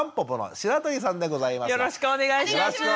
よろしくお願いします。